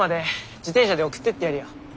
自転車で送ってってやるよ。